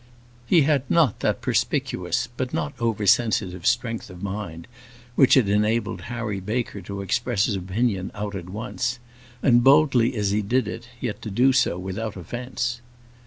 He had not that perspicuous, but not over sensitive strength of mind which had enabled Harry Baker to express his opinion out at once; and boldly as he did it, yet to do so without offence.